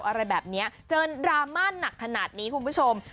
อะไรแบบนี้เจอดราม่าหนักขนาดนี้คุณผู้ชม